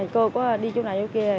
cô có đi chỗ này chỗ kia